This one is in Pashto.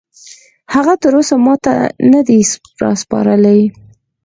هغه تراوسه ماته نه دي راسپارلي